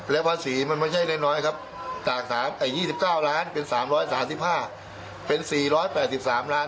และภาษีมันไม่ใช่น้อยครับจาก๒๙ล้านเป็น๓๓๕เป็น๔๘๓ล้าน